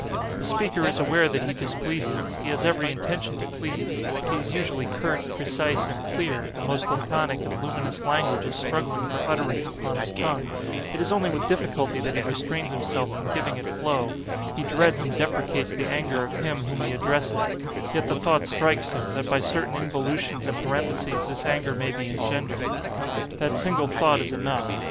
The speaker is aware that he displeases; he has every intention to please, he is usually curt, precise, and clear; the most laconic and luminous language is struggling for utterance upon his tongue; it is only with difficulty that he restrains himself from giving it flow; he dreads and deprecates the anger of him whom he addresses; yet, the thought strikes him, that by certain involutions and parentheses this anger may be engendered. That single thought is enough.